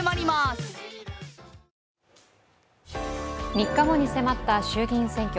３日後に迫った衆議院選挙。